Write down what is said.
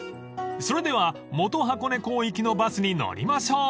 ［それでは元箱根港行きのバスに乗りましょう］